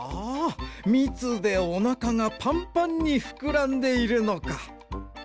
みつでおなかがパンパンにふくらんでいるのか。